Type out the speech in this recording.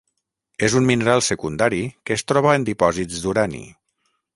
És un mineral secundari que es troba en dipòsits d'urani.